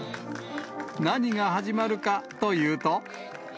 何が始まるかというと。